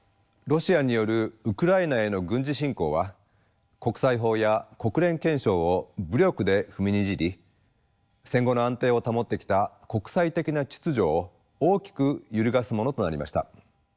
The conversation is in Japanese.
ロシアによるウクライナへの軍事侵攻は国際法や国連憲章を武力で踏みにじり戦後の安定を保ってきた国際的な秩序を大きく揺るがすものとなりました。